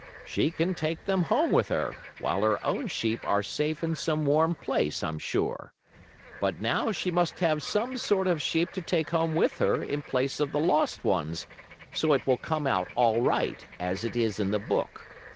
"She can take them home with her, while her own sheep are safe in some warm place, I'm sure. But now she must have some sort of sheep to take home with her in place of the lost ones, so it will come out all right, as it is in the book.